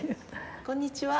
こんにちは。